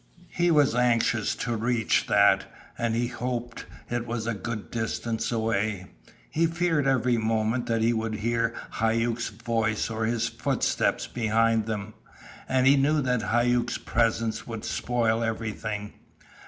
He was anxious to reach that, and he hoped it was a good distance away. He feared every moment that he would hear Hauck's voice or his footsteps behind them, and he knew that Hauck's presence would spoil everything.